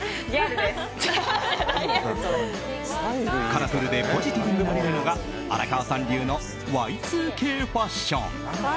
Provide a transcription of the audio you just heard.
カラフルでポジティブになれるのが荒川さん流のＹ２Ｋファッション。